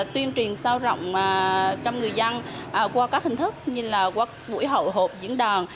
tuyên truyền sao rộng trong người dân qua các hình thức như là qua buổi hậu hộp diễn đàn